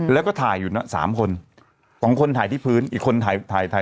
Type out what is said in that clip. แล้วก็ถ่ายอยู่นั่ง๓คน๒คนถ่ายที่พื้นอีกคนถ่ายที่ที่